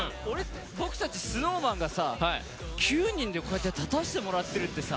僕たちＳｎｏｗＭａｎがさ９人でこうやって立たせてもらってるってさ